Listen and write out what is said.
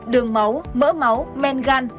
đường máu mỡ máu men gan